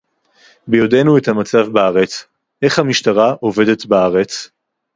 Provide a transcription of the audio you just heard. ביודענו את המצב בארץ - איך המשטרה עובדת בארץ